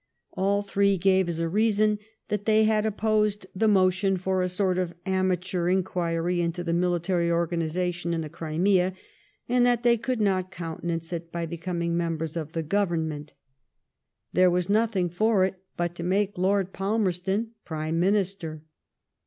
All three gave as a reason that THE CRIMEAN WAR 187 they had opposed the motion for a sort of ama teur inquiry into the military organization in the Crimea, and that they could not countenance it by becoming members of the Government. There was nothing for it but to make Lord Palmerston Prime Minister.